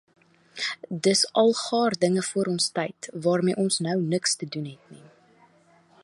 Dis algaar dinge voor ons tyd, waarmee ons nou niks te doen het nie.